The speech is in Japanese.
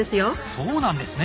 そうなんですね！